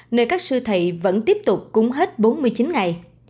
nơi các sư thầy vẫn tiếp tục cung hết bốn mươi chín ngày